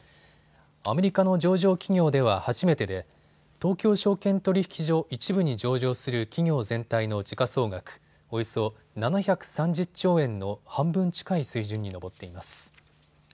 アメリカの上場企業では初めてで東京証券取引所１部に上場する企業全体の時価総額、およそ７３０兆円の半分近い水準に上っています。